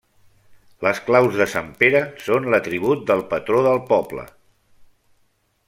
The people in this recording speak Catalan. Les claus de Sant Pere són l'atribut del patró del poble.